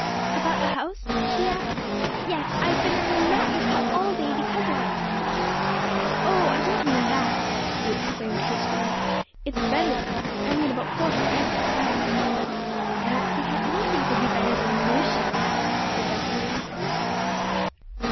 "About the house?" she said. "Yes. I've been on a mountain top all day because of it." "O, I don't mean that!" he exclaimed, hastily. "It's better than that. I mean about Porter & Edmunds." "I don't see how anything could be better than the news she brought," said Bethany.